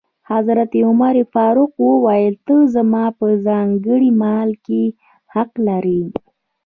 حضرت عمر فاروق وویل: ته زما په ځانګړي مال کې حق لرې.